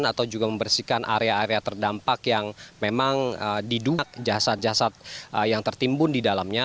atau juga membersihkan area area terdampak yang memang diduga jasad jasad yang tertimbun di dalamnya